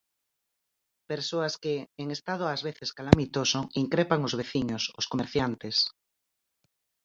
Persoas que, en estado ás veces calamitoso, increpan os veciños, os comerciantes...